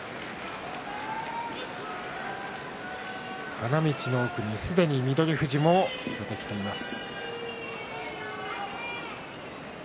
花道の奥にすでに翠富士も出てきています。